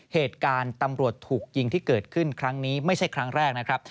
เหตุการณ์ตำรวจถูกยิงที่เกิดขึ้นครั้งนี้ไม่ใช่ครั้งแรกนะครับ